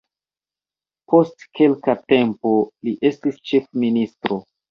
Post kelka tempo li estis ĉefministro.